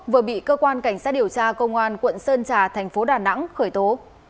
vừa bị cơ quan cảnh sát điều tra công an quận sơn trà thành phố đà nẵng khởi tố